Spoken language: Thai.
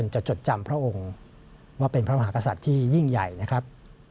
จดจำพระองค์ว่าเป็นพระมหากษัตริย์ที่ยิ่งใหญ่นะครับ